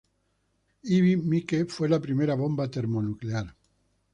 Ivy Mike fue la primera bomba termonuclear.